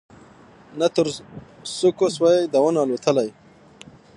نه تر څوکو سوای د ونو الوتلای